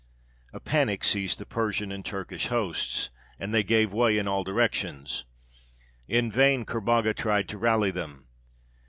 A panic seized the Persian and Turkish hosts, and they gave way in all directions. In vain Kerbogha tried to rally them.